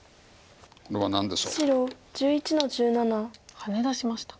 ハネ出しましたか。